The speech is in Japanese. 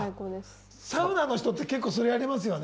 サウナの人って結構それやりますよね。